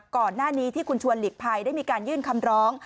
ก่อนหน้านี้ที่คุณชวนหลีกภัยได้มีการยื่นคำร้อง